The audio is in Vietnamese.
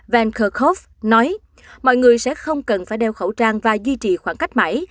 van kerkhove nói mọi người sẽ không cần phải đeo khẩu trang và duy trì khoảng cách mảy